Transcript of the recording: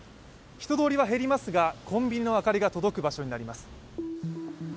人通りは減りますが、コンビニの明かりが届く場所になります。